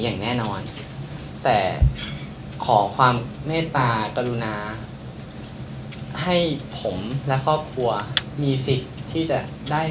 อย่างแน่นอนแต่ขอความเมตตากรุณาให้ผมและครอบครัวมีสิทธิ์ที่จะได้